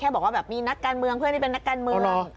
บอกว่าแบบมีนักการเมืองเพื่อนที่เป็นนักการเมือง